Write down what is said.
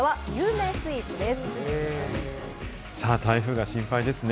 台風が心配ですね。